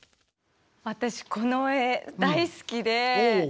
私この絵大好きで。